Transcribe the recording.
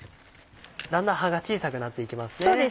だんだん葉が小さくなっていきますね。